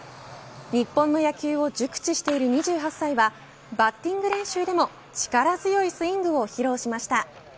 日本の野球を熟知している２８歳はバッティング練習でも力強いスイングを披露しました。